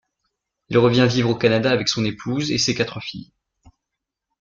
Il revient vivre au Canada avec son épouse et ses quatre filles.